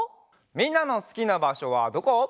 みんなのすきなばしょはどこ？